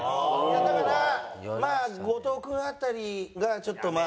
だからまあ後藤君辺りがちょっとまあ。